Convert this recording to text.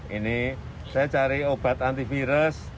ini saya cari obat antivirus